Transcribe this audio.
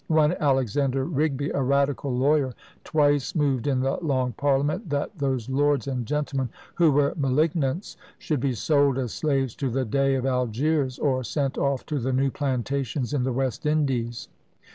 One Alexander Rigby, a radical lawyer, twice moved in the Long Parliament, that those lords and gentlemen who were "malignants," should be sold as slaves to the Dey of Algiers, or sent off to the new plantations in the West Indies.